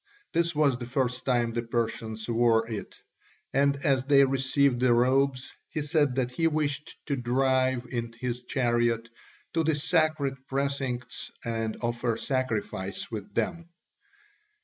This was the first time the Persians wore it, and as they received the robes he said that he wished to drive in his chariot to the sacred precincts and offer sacrifice with them.